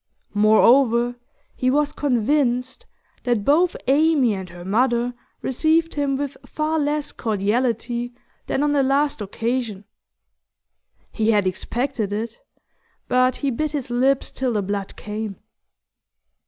Moreover, he was convinced that both Amy and her mother received him with far less cordiality than on the last occasion. He had expected it, but he bit his lips till the blood came.